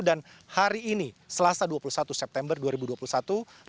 dan hari ini selasa dua puluh satu september dua ribu dua puluh satu rencananya gubernur diberikan